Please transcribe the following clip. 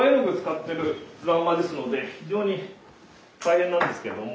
非常に大変なんですけれども。